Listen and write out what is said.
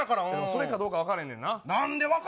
それかどうか分からないねんな。